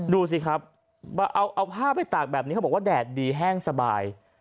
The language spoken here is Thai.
ดูสิครับเอาผ้าไปตากแบบนี้เขาบอกว่าแดดดีแห้งสบาย